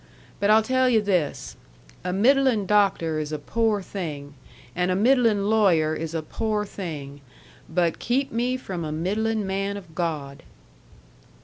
But I'll tell yu' this: a middlin' doctor is a pore thing, and a middlin' lawyer is a pore thing; but keep me from a middlin' man of God."